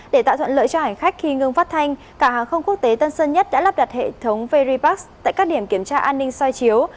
để tạo thuận lợi cho hành khách khi ngưng phát thanh cả hàng không quốc tế tân sơn nhất đã lắp đặt hệ thống veripax tại các điểm kiểm tra an ninh soi chiếu